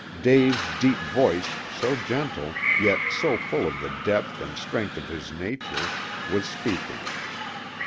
Dave's deep voice, so gentle, yet so full of the depth and strength of his nature, was speaking.